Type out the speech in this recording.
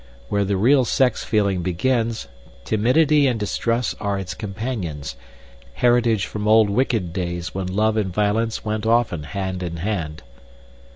Where the real sex feeling begins, timidity and distrust are its companions, heritage from old wicked days when love and violence went often hand in hand.